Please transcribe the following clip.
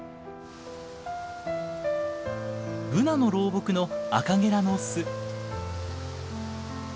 ブナの老木のアカゲラの巣。